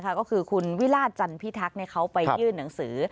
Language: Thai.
ก็คือคุณวิราชจันพิทักษ์เขาไปยื่นหนังสือ